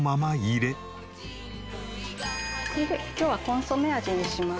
これで今日はコンソメ味にします。